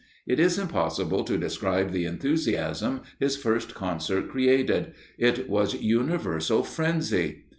It is impossible to describe the enthusiasm his first concert created it was universal frenzy.